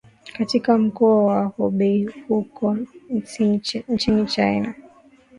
katika Mkoa wa Hubeihuko ncini china